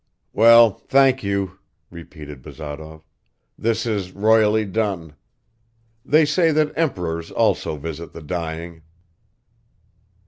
"Well, thank you," repeated Bazarov. "This is royally done. They say that emperors also visit the dying."